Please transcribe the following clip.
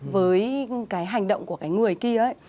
với cái hành động của cái người kia ấy